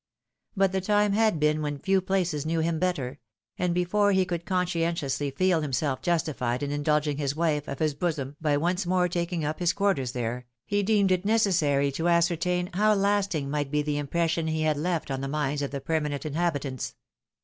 But the time had been when few places knew him better ; and before he could conscientiously feel himself justified in indulging the wife VISIONS or THE PAST. 93 of his bosom by once more taWng up his quarters there, he deemed it necessary to ascertain how lasting miglit be the im pression he had left on the minds of the permanent inhabitants.